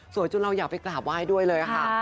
จนเราอยากไปกราบไหว้ด้วยเลยค่ะ